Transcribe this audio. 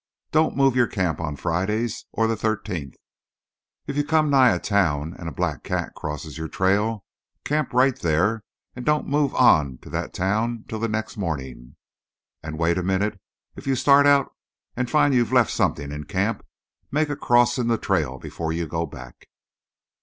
"Don't move your camp on Fridays or the thirteenth; if you come nigh a town and a black cat crosses your trail, you camp right there and don't move on to that town till the next morning. And wait a minute if you start out and find you've left something in camp, make a cross in the trail before you go back."